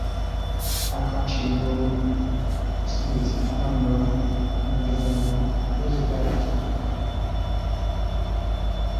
aka chịbụrụ steeti Anambra n'oge gara aga